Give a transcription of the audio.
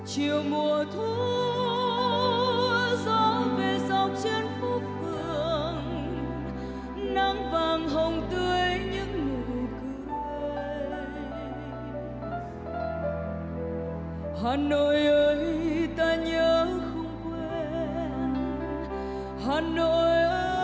hà nội ơi ta nhớ không quên hà nội ơi trong trái tim tôi